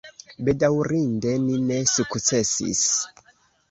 Bedaŭrinde ni ne sukcesis.